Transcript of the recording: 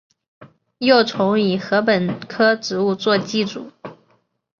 幼虫以禾本科植物作寄主。